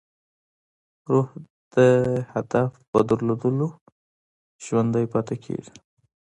روح د هدف په درلودو ژوندی پاتې کېږي.